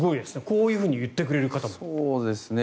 こういうふうに言ってくれる方も。